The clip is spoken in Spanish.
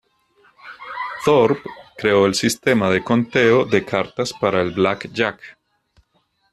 Thorp creó el sistema de conteo de cartas para el blackjack.